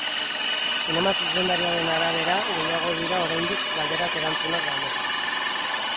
Zinema zuzendariaren arabera, gehiago dira oraindik galderak erantzunak baino.